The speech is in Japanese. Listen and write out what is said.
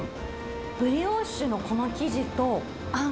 ブリオッシュのこの生地と、あん